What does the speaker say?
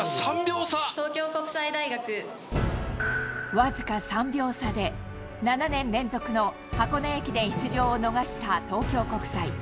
僅か３秒差で、７年連続の箱根駅伝出場を逃した東京国際。